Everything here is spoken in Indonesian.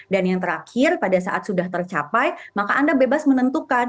dan yang terakhir pada saat sudah tercapai maka anda bebas menentukan